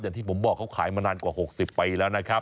อย่างที่ผมบอกเขาขายมานานกว่า๖๐ปีแล้วนะครับ